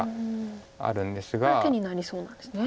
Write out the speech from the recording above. これは手になりそうなんですね。